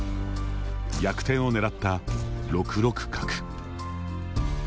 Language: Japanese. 逆転を狙った６六角。